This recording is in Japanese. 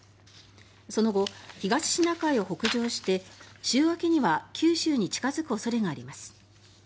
その後、東シナ海を北上して週明けには九州に近付く恐れがあります。